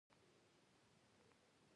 نیکه د خندا سرچینه وي.